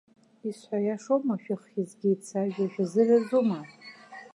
Исҳәо иашоума, шәыххьзгеит, сажәа шәазыразума?